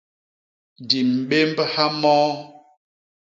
Di mbémbha moo.